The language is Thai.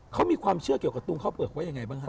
เขามีความเชื่อเกี่ยวกับตุงข้าวเปลือกว่ายังไงบ้างครับ